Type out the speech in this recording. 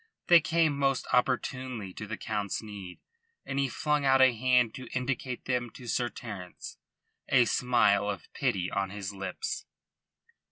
They came most opportunely to the Count's need, and he flung out a hand to indicate them to Sir Terence, a smile of pity on his lips.